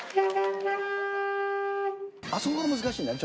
あそこが難しいんだよね